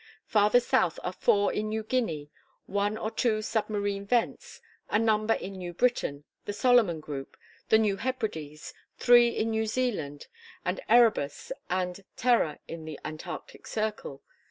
Farther south are four in New Guinea, one or two submarine vents, a number in New Britain, the Solomon group, the New Hebrides, three in New Zealand, and Erebus and Terror in the Antarctic circle.